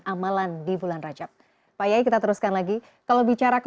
atau harta anak kecil